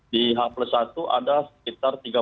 di h plus satu ada sekitar tiga puluh tiga